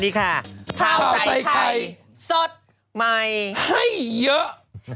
ข้าวใส่ไข่สดใหม่ให้เยอะ